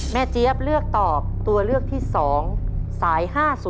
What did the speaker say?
เจี๊ยบเลือกตอบตัวเลือกที่๒สาย๕๐